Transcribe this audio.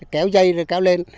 kéo dây rồi kéo lên